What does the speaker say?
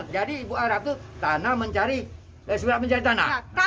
jadi ibu rahaf itu tanah mencari surat mencari tanah